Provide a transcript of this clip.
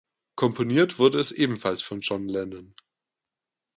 Komponiert wurde es ebenfalls von John Lennon.